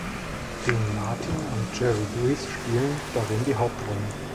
Dean Martin und Jerry Lewis spielen darin die Hauptrollen.